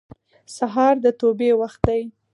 سهار د توبې وخت دی.